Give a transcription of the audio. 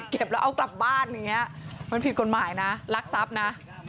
เก็บแล้วเอากลับบ้านมันผิดกฎหมายนะรักทรัพย์นะ